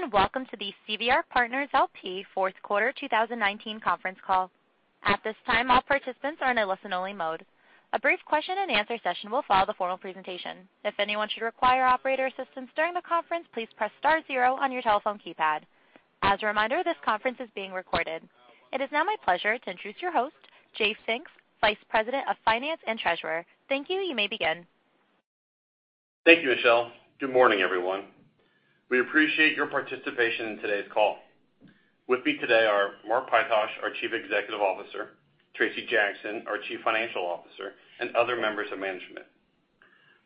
Greetings, welcome to the CVR Partners, LP fourth quarter 2019 conference call. At this time, all participants are in a listen-only mode. A brief question and answer session will follow the formal presentation. If anyone should require operator assistance during the conference, please press star zero on your telephone keypad. As a reminder, this conference is being recorded. It is now my pleasure to introduce your host, Jay Finks, Vice President of Finance and Treasurer. Thank you. You may begin. Thank you, Michelle. Good morning, everyone. We appreciate your participation in today's call. With me today are Mark Pytosh, our Chief Executive Officer, Tracy Jackson, our Chief Financial Officer, and other members of management.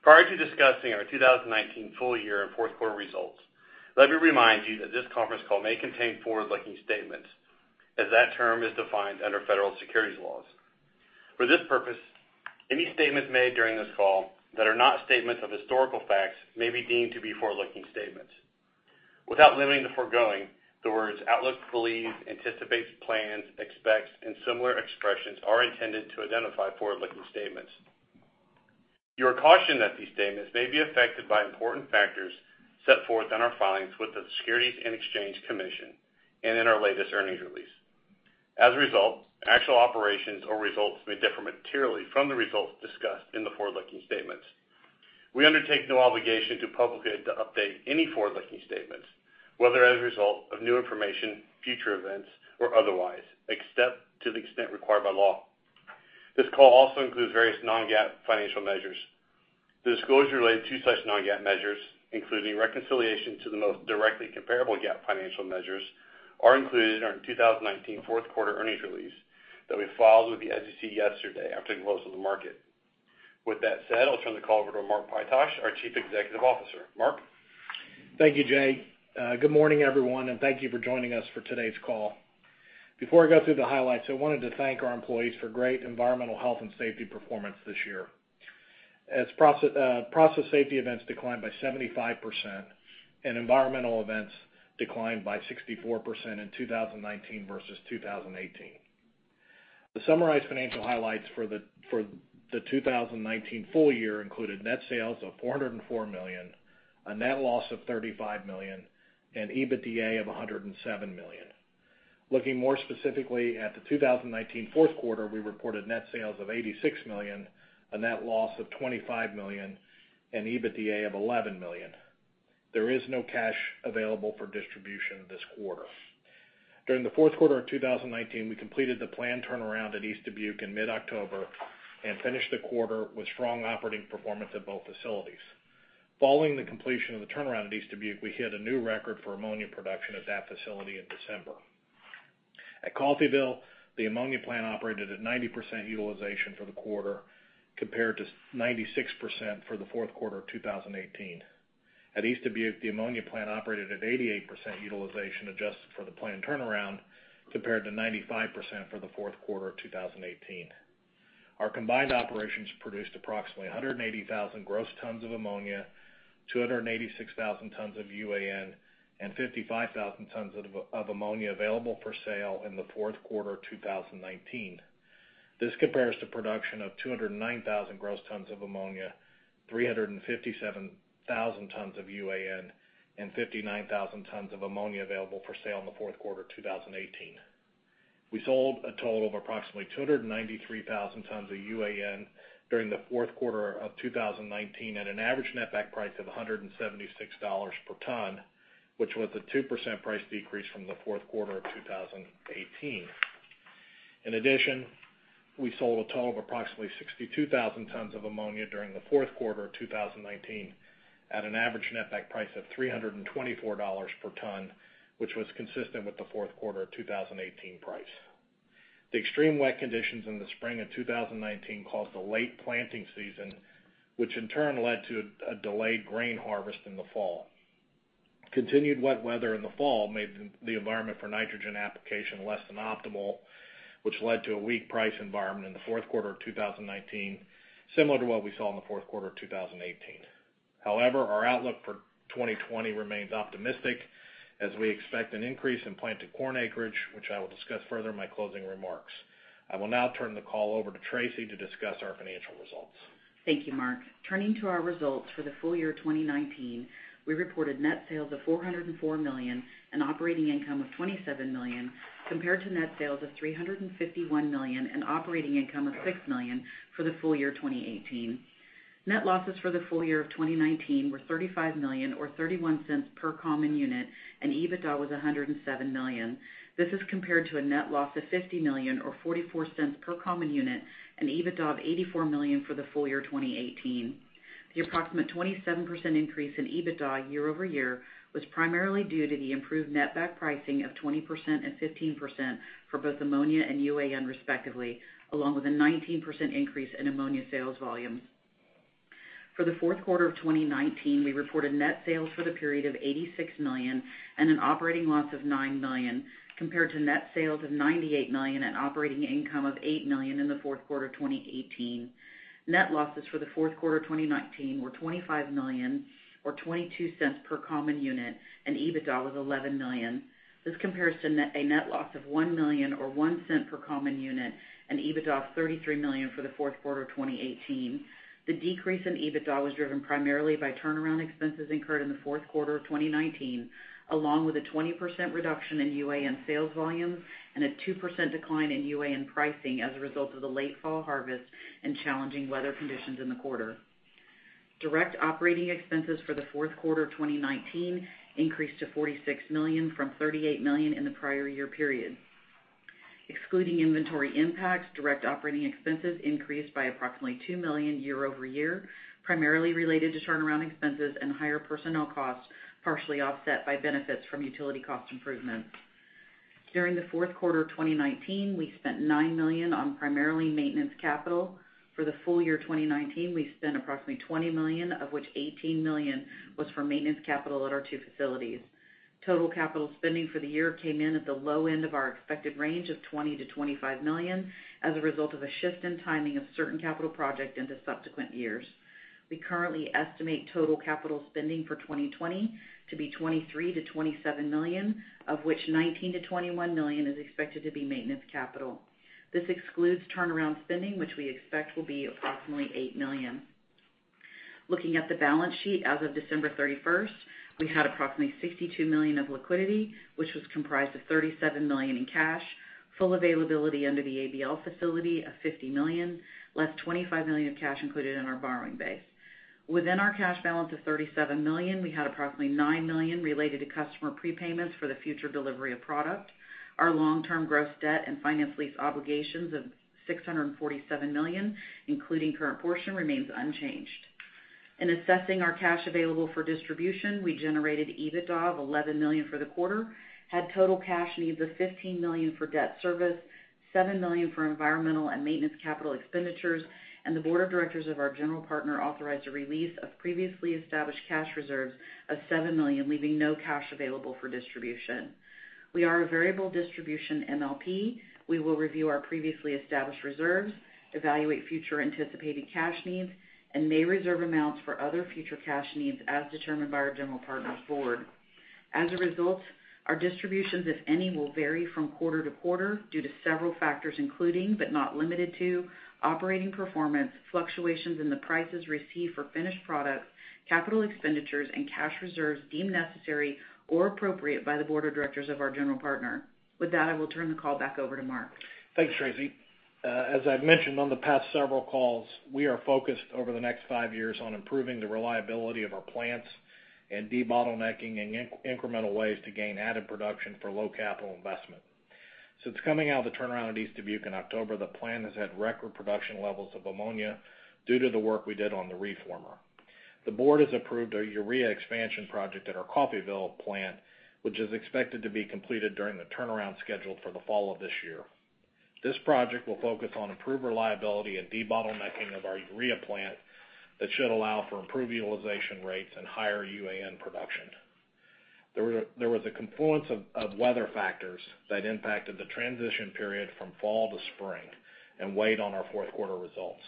Prior to discussing our 2019 full year and fourth quarter results, let me remind you that this conference call may contain forward-looking statements, as that term is defined under federal securities laws. For this purpose, any statements made during this call that are not statements of historical facts may be deemed to be forward-looking statements. Without limiting the foregoing, the words outlook, believes, anticipates, plans, expects, and similar expressions are intended to identify forward-looking statements. You are cautioned that these statements may be affected by important factors set forth in our filings with the Securities and Exchange Commission and in our latest earnings release. As a result, actual operations or results may differ materially from the results discussed in the forward-looking statements. We undertake no obligation to publicly update any forward-looking statements, whether as a result of new information, future events, or otherwise, except to the extent required by law. This call also includes various non-GAAP financial measures. The disclosure related to such non-GAAP measures, including reconciliation to the most directly comparable GAAP financial measures, are included in our 2019 fourth quarter earnings release that we filed with the SEC yesterday after the close of the market. With that said, I'll turn the call over to Mark Pytosh, our Chief Executive Officer. Mark? Thank you, Jay. Good morning, everyone, and thank you for joining us for today's call. Before I go through the highlights, I wanted to thank our employees for great environmental health and safety performance this year. As process safety events declined by 75% and environmental events declined by 64% in 2019 versus 2018. The summarized financial highlights for the 2019 full year included net sales of $404 million, a net loss of $35 million, and EBITDA of $107 million. Looking more specifically at the 2019 fourth quarter, we reported net sales of $86 million, a net loss of $25 million, and EBITDA of $11 million. There is no cash available for distribution this quarter. During the fourth quarter of 2019, we completed the planned turnaround at East Dubuque in mid-October and finished the quarter with strong operating performance at both facilities. Following the completion of the turnaround at East Dubuque, we hit a new record for ammonia production at that facility in December. At Coffeyville, the ammonia plant operated at 90% utilization for the quarter, compared to 96% for the fourth quarter of 2018. At East Dubuque, the ammonia plant operated at 88% utilization adjusted for the planned turnaround, compared to 95% for the fourth quarter of 2018. Our combined operations produced approximately 180,000 gross tons of ammonia, 286,000 tons of UAN, and 55,000 tons of ammonia available for sale in the fourth quarter 2019. This compares to production of 209,000 gross tons of ammonia, 357,000 tons of UAN, and 59,000 tons of ammonia available for sale in the fourth quarter 2018. We sold a total of approximately 293,000 tons of UAN during the fourth quarter of 2019 at an average netback price of $176 per ton, which was a 2% price decrease from the fourth quarter of 2018. In addition, we sold a total of approximately 62,000 tons of ammonia during the fourth quarter of 2019 at an average netback price of $324 per ton, which was consistent with the fourth quarter of 2018 price. The extreme wet conditions in the spring of 2019 caused a late planting season, which in turn led to a delayed grain harvest in the fall. Continued wet weather in the fall made the environment for nitrogen application less than optimal, which led to a weak price environment in the fourth quarter of 2019, similar to what we saw in the fourth quarter of 2018. Our outlook for 2020 remains optimistic as we expect an increase in planted corn acreage, which I will discuss further in my closing remarks. I will now turn the call over to Tracy to discuss our financial results. Thank you, Mark. Turning to our results for the full year 2019, we reported net sales of $404 million and operating income of $27 million, compared to net sales of $351 million and operating income of $6 million for the full year 2018. Net losses for the full year of 2019 were $35 million, or $0.31 per common unit, and EBITDA was $107 million. This is compared to a net loss of $50 million or $0.44 per common unit and EBITDA of $84 million for the full year 2018. The approximate 27% increase in EBITDA year-over-year was primarily due to the improved netback pricing of 20% and 15% for both ammonia and UAN, respectively, along with a 19% increase in ammonia sales volumes. For the fourth quarter of 2019, we reported net sales for the period of $86 million and an operating loss of $9 million, compared to net sales of $98 million and operating income of $8 million in the fourth quarter 2018. Net losses for the fourth quarter 2019 were $25 million or $0.22 per common unit, and EBITDA was $11 million. This compares to a net loss of $1 million or $0.01 per common unit and EBITDA of $33 million for the fourth quarter of 2018. The decrease in EBITDA was driven primarily by turnaround expenses incurred in the fourth quarter of 2019, along with a 20% reduction in UAN sales volumes and a 2% decline in UAN pricing as a result of the late fall harvest and challenging weather conditions in the quarter. Direct operating expenses for the fourth quarter 2019 increased to $46 million from $38 million in the prior year period. Excluding inventory impacts, direct operating expenses increased by approximately $2 million year-over-year, primarily related to turnaround expenses and higher personnel costs, partially offset by benefits from utility cost improvements. During the fourth quarter 2019, we spent $9 million on primarily maintenance capital. For the full year 2019, we spent approximately $20 million, of which $18 million was for maintenance capital at our two facilities. Total capital spending for the year came in at the low end of our expected range of $20 million-$25 million as a result of a shift in timing of certain capital project into subsequent years. We currently estimate total capital spending for 2020 to be $23 million-$27 million, of which $19 million-$21 million is expected to be maintenance capital. This excludes turnaround spending, which we expect will be approximately $8 million. Looking at the balance sheet as of December 31st, we had approximately $62 million of liquidity, which was comprised of $37 million in cash, full availability under the ABL facility of $50 million, less $25 million of cash included in our borrowing base. Within our cash balance of $37 million, we had approximately $9 million related to customer prepayments for the future delivery of product. Our long-term gross debt and finance lease obligations of $647 million, including current portion, remains unchanged. In assessing our cash available for distribution, we generated EBITDA of $11 million for the quarter, had total cash needs of $15 million for debt service, $7 million for environmental and maintenance capital expenditures, and the Board of Directors of our general partner authorized a release of previously established cash reserves of $7 million, leaving no cash available for distribution. We are a variable distribution MLP. We will review our previously established reserves, evaluate future anticipated cash needs, and may reserve amounts for other future cash needs as determined by our general partner forward. As a result, our distributions, if any, will vary from quarter-to-quarter due to several factors including but not limited to operating performance, fluctuations in the prices received for finished products, capital expenditures, and cash reserves deemed necessary or appropriate by the Board of Directors of our general partner. With that, I will turn the call back over to Mark. Thanks, Tracy. As I've mentioned on the past several calls, we are focused over the next five years on improving the reliability of our plants and debottlenecking in incremental ways to gain added production for low capital investment. Since coming out of the turnaround at East Dubuque in October, the plant has had record production levels of ammonia due to the work we did on the reformer. The Board has approved a urea expansion project at our Coffeyville plant, which is expected to be completed during the turnaround scheduled for the fall of this year. This project will focus on improved reliability and debottlenecking of our urea plant that should allow for improved utilization rates and higher UAN production. There was a confluence of weather factors that impacted the transition period from fall to spring and weighed on our fourth quarter results.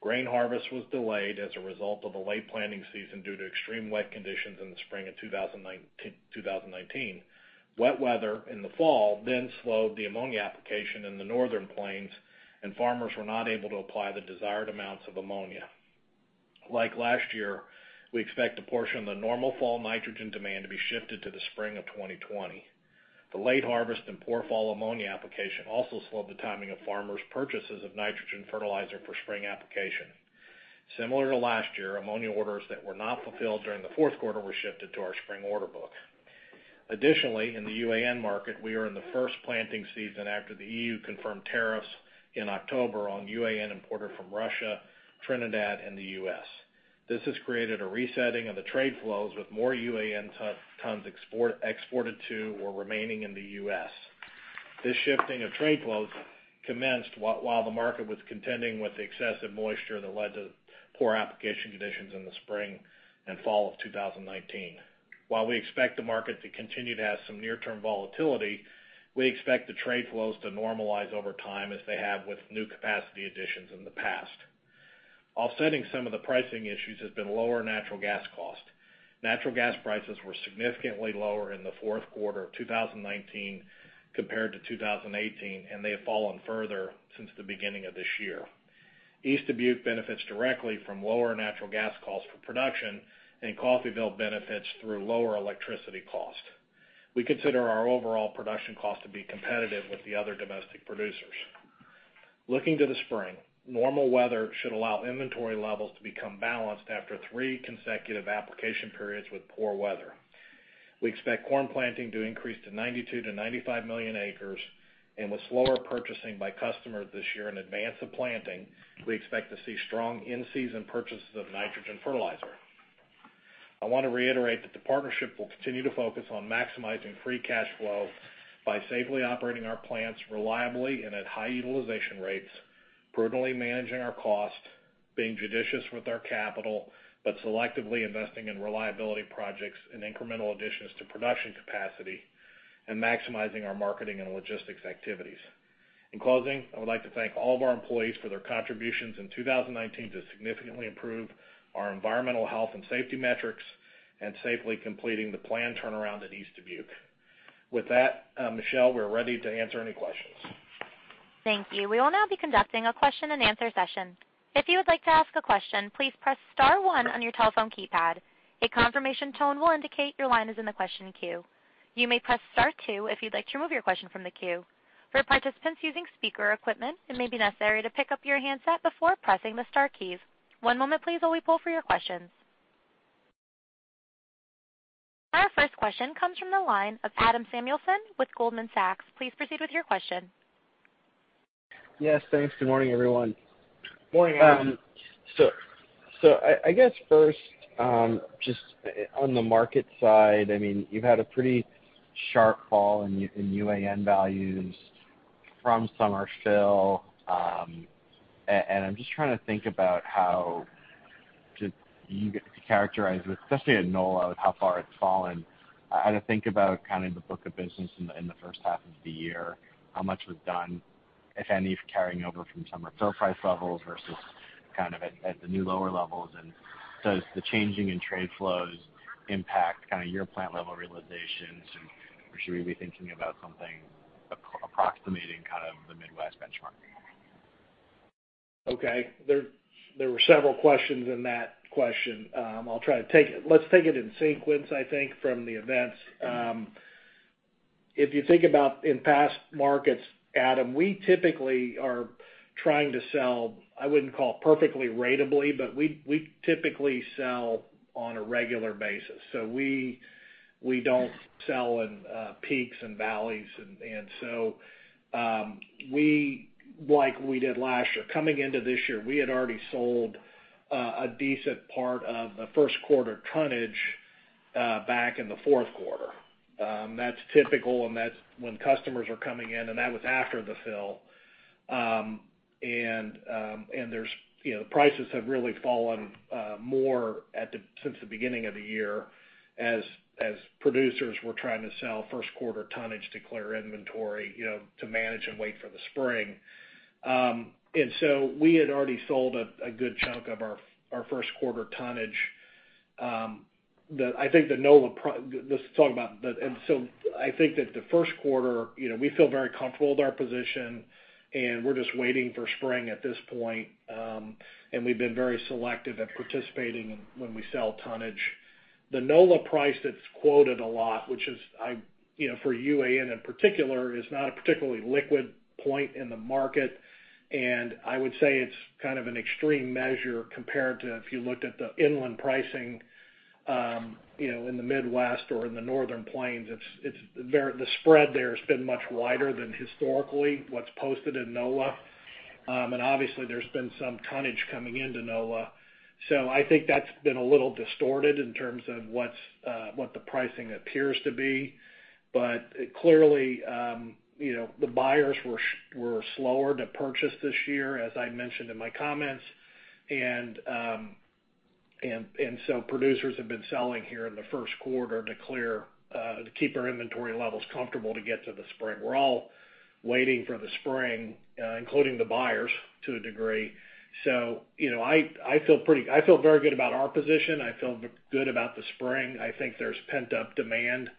Grain harvest was delayed as a result of a late planting season due to extreme wet conditions in the spring of 2019. Wet weather in the fall then slowed the ammonia application in the northern plains, and farmers were not able to apply the desired amounts of ammonia. Like last year, we expect a portion of the normal fall nitrogen demand to be shifted to the spring of 2020. The late harvest and poor fall ammonia application also slowed the timing of farmers' purchases of nitrogen fertilizer for spring application. Similar to last year, ammonia orders that were not fulfilled during the fourth quarter were shifted to our spring order book. Additionally, in the UAN market, we are in the first planting season after the EU confirmed tariffs in October on UAN imported from Russia, Trinidad, and the U.S. This has created a resetting of the trade flows with more UAN tons exported to or remaining in the U.S. This shifting of trade flows commenced while the market was contending with excessive moisture that led to poor application conditions in the spring and fall of 2019. While we expect the market to continue to have some near-term volatility, we expect the trade flows to normalize over time as they have with new capacity additions in the past. Offsetting some of the pricing issues has been lower natural gas cost. Natural gas prices were significantly lower in the fourth quarter of 2019 compared to 2018, and they have fallen further since the beginning of this year. East Dubuque benefits directly from lower natural gas costs for production, and Coffeyville benefits through lower electricity cost. We consider our overall production cost to be competitive with the other domestic producers. Looking to the spring, normal weather should allow inventory levels to become balanced after three consecutive application periods with poor weather. We expect corn planting to increase to 92 million acres-95 million acres, and with slower purchasing by customers this year in advance of planting, we expect to see strong in-season purchases of nitrogen fertilizer. I want to reiterate that the partnership will continue to focus on maximizing free cash flow by safely operating our plants reliably and at high utilization rates, prudently managing our cost, being judicious with our capital, but selectively investing in reliability projects and incremental additions to production capacity, and maximizing our marketing and logistics activities. In closing, I would like to thank all of our employees for their contributions in 2019 to significantly improve our environmental health and safety metrics and safely completing the planned turnaround at East Dubuque. With that, Michelle, we're ready to answer any questions. Thank you. We will now be conducting a question and answer session. If you would like to ask a question, please press star one on your telephone keypad. A confirmation tone will indicate your line is in the question queue. You may press star two if you'd like to remove your question from the queue. For participants using speaker equipment, it may be necessary to pick up your handset before pressing the star keys. One moment please while we poll for your questions. Our first question comes from the line of Adam Samuelson with Goldman Sachs. Please proceed with your question. Yes, thanks. Good morning, everyone. Morning, Adam. I guess first, just on the market side, you've had a pretty sharp fall in UAN values from summer fill. I'm just trying to think about how you characterize it, especially at NOLA, with how far it's fallen. I had to think about kind of the book of business in the first half of the year, how much was done, if any, carrying over from summer fill price levels versus kind of at the new lower levels. Does the changing in trade flows impact your plant level realizations? Should we be thinking about something approximating kind of the Midwest benchmark? Okay. There were several questions in that question. Let's take it in sequence, I think, from the events. If you think about in past markets, Adam, we typically are trying to sell, I wouldn't call perfectly ratably, but we typically sell on a regular basis. We don't sell in peaks and valleys. Like we did last year, coming into this year, we had already sold a decent part of the first quarter tonnage back in the fourth quarter. That's typical, and that's when customers are coming in, and that was after the fill. Prices have really fallen more since the beginning of the year as producers were trying to sell first quarter tonnage to clear inventory to manage and wait for the spring. We had already sold a good chunk of our first quarter tonnage. Let's talk about that. I think that the first quarter, we feel very comfortable with our position, and we're just waiting for spring at this point. We've been very selective at participating when we sell tonnage. The NOLA price that's quoted a lot, which is for UAN in particular, is not a particularly liquid point in the market. I would say it's kind of an extreme measure compared to if you looked at the inland pricing in the Midwest or in the northern plains. The spread there has been much wider than historically what's posted in NOLA. Obviously, there's been some tonnage coming into NOLA. I think that's been a little distorted in terms of what the pricing appears to be. Clearly the buyers were slower to purchase this year, as I mentioned in my comments. Producers have been selling here in the first quarter to keep their inventory levels comfortable to get to the spring. We're all waiting for the spring, including the buyers to a degree. I feel very good about our position. I feel good about the spring. I think there's pent-up demand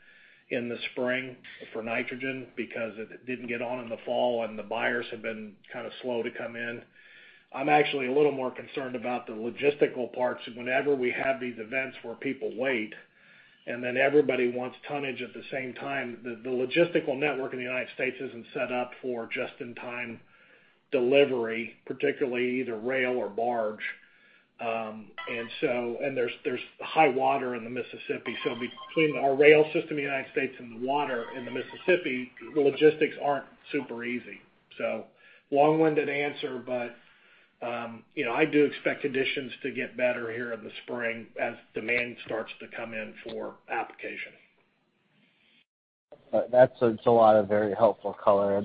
in the spring for nitrogen because it didn't get on in the fall and the buyers have been kind of slow to come in. I'm actually a little more concerned about the logistical parts. Whenever we have these events where people wait and then everybody wants tonnage at the same time, the logistical network in the United States isn't set up for just-in-time delivery, particularly either rail or barge. There's high water in the Mississippi. Between our rail system in the United States and the water in the Mississippi, the logistics aren't super easy. Long-winded answer, but I do expect conditions to get better here in the spring as demand starts to come in for application. That's a lot of very helpful color.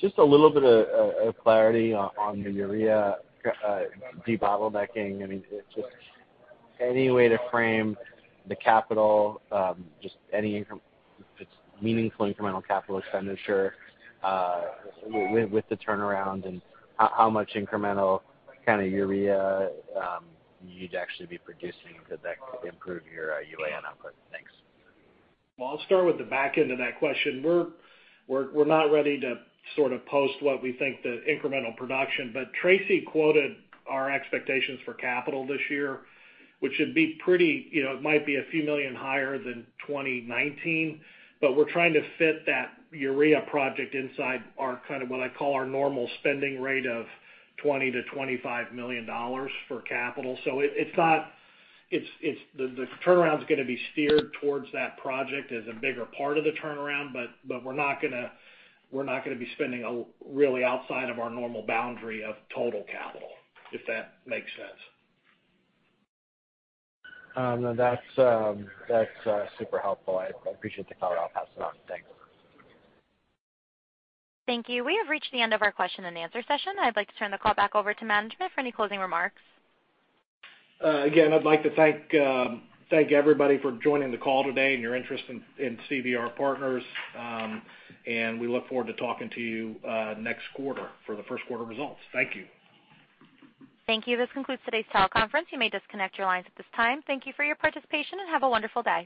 Just a little bit of clarity on the urea debottlenecking. I mean, just any way to frame the capital, just any meaningful incremental capital expenditure with the turnaround, and how much incremental kind of urea you'd actually be producing could that improve your UAN output? Thanks. I'll start with the back end of that question. We're not ready to sort of post what we think the incremental production is. Tracy quoted our expectations for capital this year, which it might be a few million higher than 2019, but we're trying to fit that urea project inside our kind of what I call our normal spending rate of $20 million-$25 million for capital. The turnaround's gonna be steered towards that project as a bigger part of the turnaround, but we're not gonna be spending really outside of our normal boundary of total capital, if that makes sense. No, that's super helpful. I appreciate the clarity. I'll pass it on. Thanks. Thank you. We have reached the end of our question and answer session. I'd like to turn the call back over to management for any closing remarks. Again, I'd like to thank everybody for joining the call today and your interest in CVR Partners. We look forward to talking to you next quarter for the first quarter results. Thankyou. Thank you. This concludes today's teleconference. You may disconnect your lines at this time. Thank you for your participation, and have a wonderful day.